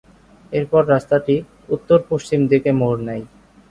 এরপর রাস্তাটি উত্তর পশ্চিম দিকে মোড় নেয়।